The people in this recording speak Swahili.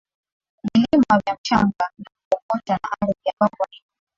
Vilima vya mchanga na kokoto na ardhi ambavyo ni